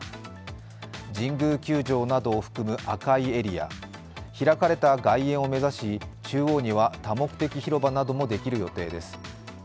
神宮球場などを含む赤いエリア開かれた外苑を目指し、中央には多目的広場などもできる予定です。